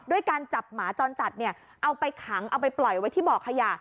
ด้วยการจับหมาจรจัดเอาไปขังเอาไปปล่อยไว้ที่เบาะขยะ